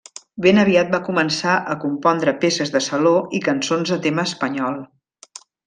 Ben aviat va començar a compondre peces de saló i cançons de tema espanyol.